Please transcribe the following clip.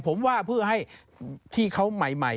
ผมว่าเพื่อให้ที่เขาใหม่